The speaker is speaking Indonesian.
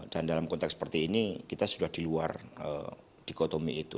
dan dalam konteks seperti ini kita sudah di luar dikotomi itu